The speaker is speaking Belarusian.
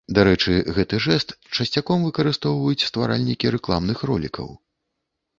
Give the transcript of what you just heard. Дарэчы, гэты жэст часцяком выкарыстоўваюць стваральнікі рэкламных ролікаў.